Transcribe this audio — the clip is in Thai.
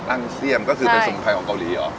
ังเซียมก็คือเป็นสมุนไพรของเกาหลีเหรอ